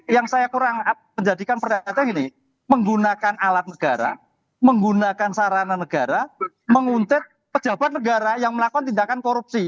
yang saya kurang menjadikan perdata gini menggunakan alat negara menggunakan sarana negara menguntet pejabat negara yang melakukan tindakan korupsi